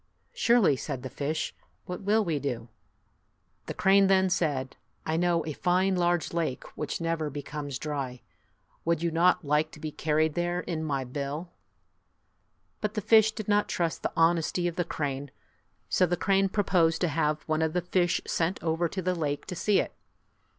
"Surely," said the fish, "what will we do?" The crane then said, "I know a fine large lake which never becomes dry. Would you not like to be carried there in my bill?" 36 But the fish did not trust the honesty of the crane, so the crane proposed to have one of the fish sent over to the lake to see it.